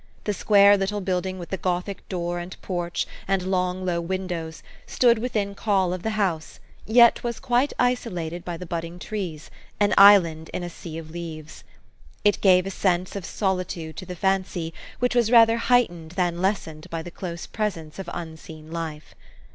The square little building with the Gothic door and porch, and long, low windows, stood within call of the house, yet was quite isolated by the budding trees, an island in a sea of leaves. It gave a sense of soli tude to the fancy, which was rather heightened than lessened by the close presence of unseen life.